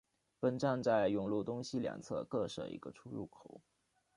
本站在上永路东西两侧各设一个出入口。